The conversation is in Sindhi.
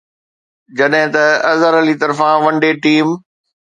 جڏهن ته اظهر علي طرفان ون ڊي ٽيم